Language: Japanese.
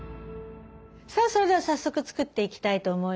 さあそれでは早速作っていきたいと思います。